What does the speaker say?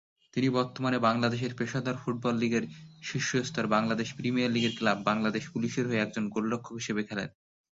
তিনি বর্তমানে বাংলাদেশের পেশাদার ফুটবল লীগের শীর্ষ স্তর বাংলাদেশ প্রিমিয়ার লীগের ক্লাব বাংলাদেশ পুলিশের হয়ে একজন গোলরক্ষক হিসেবে খেলেন।